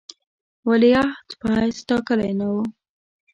ولیعهد په حیث ټاکلی نه وو.